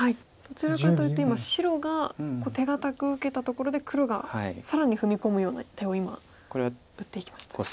どちらかというと白が手堅く受けたところで黒が更に踏み込むような手を今打っていきました。